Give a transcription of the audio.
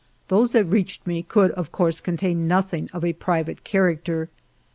Those that reached me could of course contain nothing of a private character.